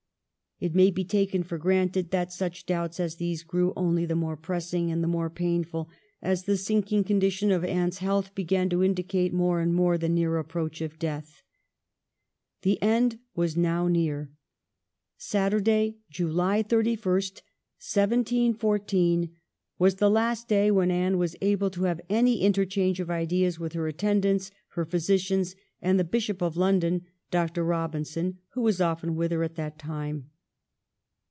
It may be taken for granted that such doubts as these grew only the more pressing and the more painful as the sinking condition of Anne's health began to indicate more and more the near approach of death. The end was now near. Saturday, July 31, 1714, was the last, day when Anne was able to have any interchange of ideas with her attendants, her phy sicians, and the Bishop of London, Dr. Eobinson, who was often with her at that time.